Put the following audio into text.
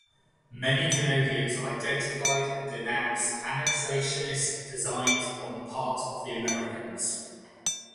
Many Canadians identified and denounced annexationist designs on the part of the Americans.